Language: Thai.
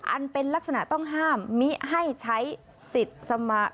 อันเป็นลักษณะต้องห้ามมิให้ใช้สิทธิ์สมา